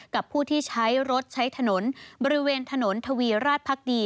กับผู้ที่ใช้รถใช้ถนนบริเวณถนนทวีราชพักดี